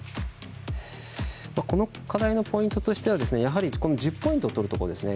この課題のポイントとしてはやはり１０ポイントをとるところですね。